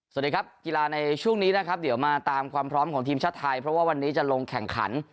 สวัสดีครับกีฬาในช่วงนี้นะครับเดี๋ยวมาตามความพร้อมของทีมชาติไทยเพราะว่าวันนี้จะลงแข่งขัน